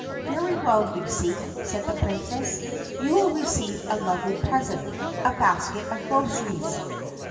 "Very well, Lucy," said the Princess. "You will receive a lovely present — a basket of groceries."